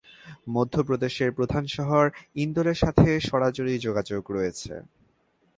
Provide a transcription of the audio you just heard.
মধ্যপ্রদেশের প্রধান শহর ইন্দোরের সাথে সরাসরি যোগাযোগ রয়েছে।